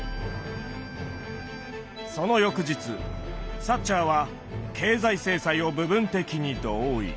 その翌日サッチャーは経済制裁を部分的に同意。